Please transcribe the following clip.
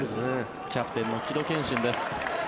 キャプテンの城戸賢心です。